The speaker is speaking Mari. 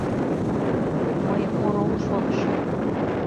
Мый, орол, шонышым.